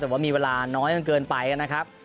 แต่ว่ามีเวลาน้อยจนเกินไปนะครับ